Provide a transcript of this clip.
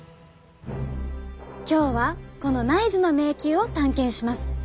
今日はこの内耳の迷宮を探検します。